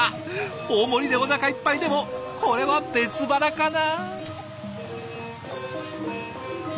大盛りでおなかいっぱいでもこれは別腹かな。